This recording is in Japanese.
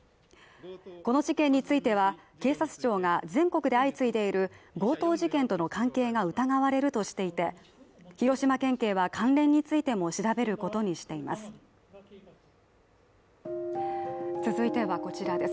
この事件については警察庁が全国で相次いでいる強盗事件との関係が疑われるとしていて広島県警は関連についても調べることにしています。